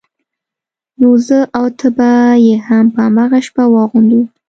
نو زه او ته به يې هم په هغه شپه واغوندو.